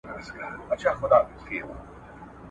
دا د کوم حیوان بچی درته ښکاریږي ..